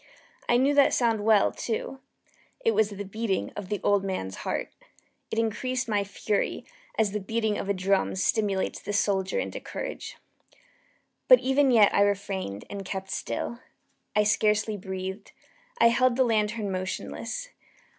I knew that sound well, too. It was the beating of the old man's heart. It increased my fury, as the beating of a drum stimulates the soldier into courage. But even yet I refrained and kept still. I scarcely breathed. I held the lantern motionless.